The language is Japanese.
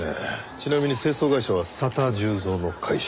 ちなみに清掃会社は佐田重蔵の会社？